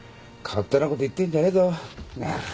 勝手なこと言ってんじゃねえぞコノヤロ。